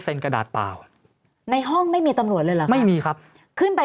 เป็นกระดาษเปล่าในห้องไม่มีตำรวจเลยเหรอไม่มีครับขึ้นไป